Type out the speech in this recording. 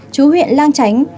trú huyện lang chánh